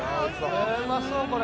うまそうこれ。